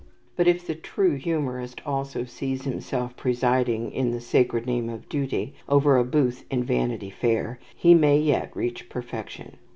But if the true humourist also sees himself presiding, in the sacred name of duty, over a booth in Vanity Fair, he may yet reach perfection.